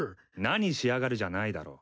何しやがるじゃないだろ。